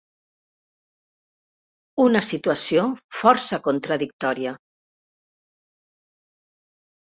Una situació força contradictòria.